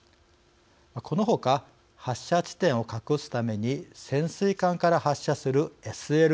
このほか発射地点を隠すために潜水艦から発射するＳＬＢＭ